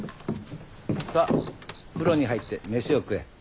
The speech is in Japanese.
さぁ風呂に入ってメシを食え。